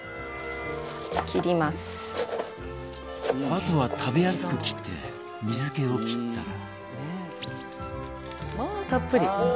あとは食べやすく切って水気を切ったら。